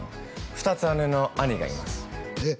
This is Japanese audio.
２つ姉の兄がいますえっ？